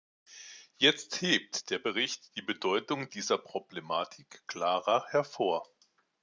Jetzt hebt der Bericht die Bedeutung dieser Problematik klarer hervor.